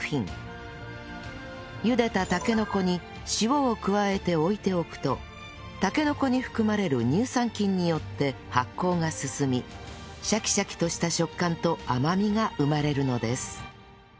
茹でたたけのこに塩を加えて置いておくとたけのこに含まれる乳酸菌によって発酵が進みシャキシャキとした食感と甘みが生まれるのです